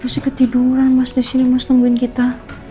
lu pasti ketiduran mas disini mas temuin kita